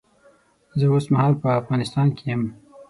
زه اوس مهال په افغانستان کې یم